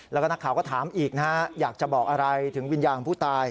แล้วก็นักข่าวก็ถามอีกนะฮะอยากจะบอกอะไรถึงวิญญาณของผู้ตาย